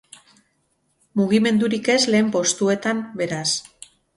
Mugimendurik ez lehen postuetan, beraz.